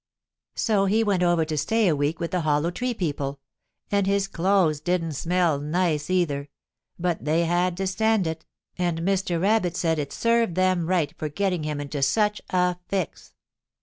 So he went over to stay a week with the Hollow Tree people, and his clothes didn't smell nice, either, but they had to stand it, and Mr. Rabbit said it served them right for getting him into such a fix.